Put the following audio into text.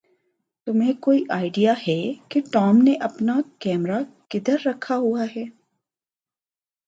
تمھیں کوئی آئڈیا ہے کہ ٹام نے اپنا کیمرہ کدھر دکھا ہوا ہے؟